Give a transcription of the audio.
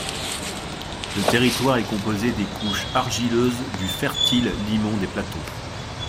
Le territoire est composé des couches argileuses du fertile limon des plateaux.